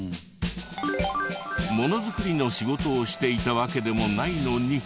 もの作りの仕事をしていたわけでもないのに。